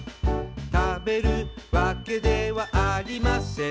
「食べるわけではありません」